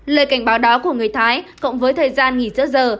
lời cảnh báo đó của người thái cộng với thời gian nghỉ giữa giờ